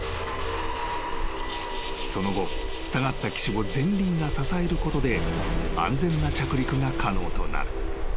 ［その後下がった機首を前輪が支えることで安全な着陸が可能となる］